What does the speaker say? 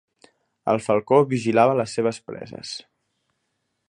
El falcó vigilava les seves preses.